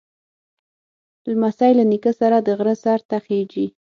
لمسی له نیکه سره د غره سر ته خېږي.